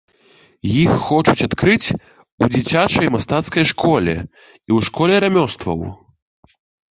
Іх хочуць адкрыць у дзіцячай мастацкай школе і ў школе рамёстваў.